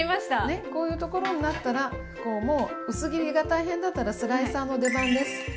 ねっこういうこところになったらもう薄切りが大変だったらスライサーの出番です。